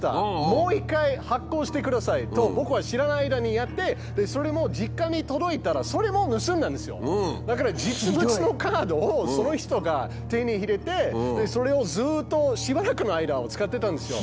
もう一回発行してください」と僕が知らない間にやってそれもだから実物のカードをその人が手に入れてそれをずっとしばらくの間使ってたんですよ。